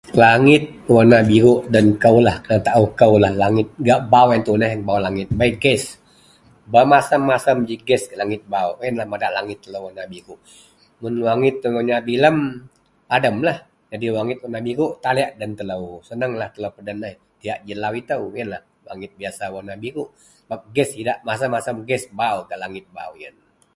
langit warna biruk den koulah kena taau koulah langit gak baaw ien tuneh, baaw langit bei ges, bermacam-macam ji gas gak langit baaw ienlah bak madak langit telou warna biruk, mun langit itou warna bilem padamlah jadi warna biruk taliek den telou, senanglah telou peden eh diyak ji lau itou ien langit biasa warna biruk sebab ges idak macam-macam ges baaw gak langit baaw ien